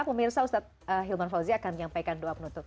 pemirsa ustadz hilman fauzi akan menyampaikan doa penutup